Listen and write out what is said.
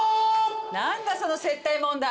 何だその接待問題。